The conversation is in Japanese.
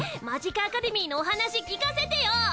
マジカアカデミーのお話聞かせてよ！